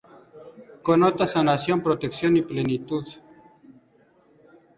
Connota sanación, protección y plenitud.